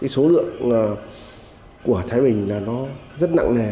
số lượng của thái bình rất nặng nề